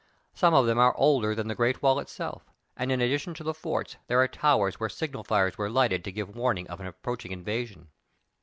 Some of them are older than the great wall itself, and, in addition to the forts, there are towers where signal fires were lighted to give warning of an approaching invasion.